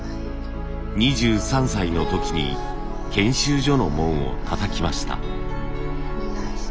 ２３歳の時に研修所の門をたたきました。